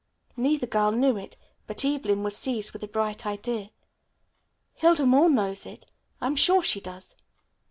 Neither girl knew it, but Evelyn was seized with a bright idea. "Hilda Moore knows it. I am sure she does."